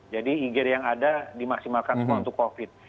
jadi igd yang ada dimaksimalkan untuk covid